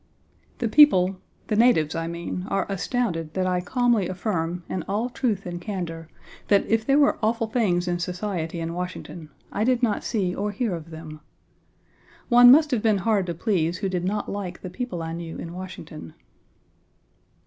The people, the natives, I mean, are astounded that I calmly affirm, in all truth and candor, that if there were awful things in society in Washington, I did not see or hear of them. One must have been hard to please who did not like the people I knew in Washington.